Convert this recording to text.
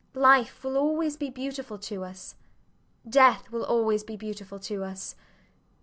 Life will always be beautiful to us: death will always be beautiful to us.